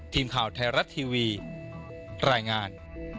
ทีมข่าวไทยรัฐทีวีรายงาน